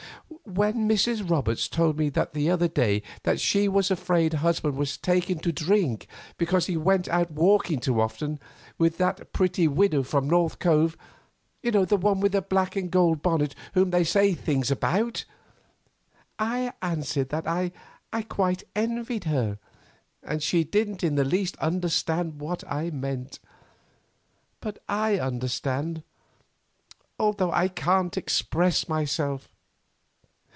When Mrs. Roberts told me the other day that she was afraid her husband was taking to drink because he went out walking too often with that pretty widow from North Cove—the one with the black and gold bonnet whom they say things about—I answered that I quite envied her, and she didn't in the least understand what I meant. But I understand, although I can't express myself."